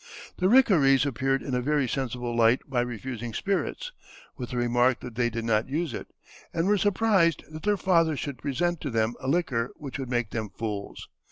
The Rickarees appeared in a very sensible light by refusing spirits, with the remark that they did not use it, and were surprised that their father should present to them a liquor which would make them fools.